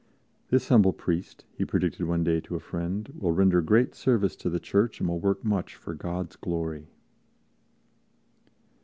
"This humble priest," he predicted one day to a friend, "will render great service to the Church and will work much for God's glory."